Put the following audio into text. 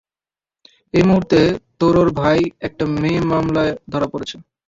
এই মুহুর্তে, তোরর ভাই একটি মেয়ের মামলায় ধরা পড়েছে।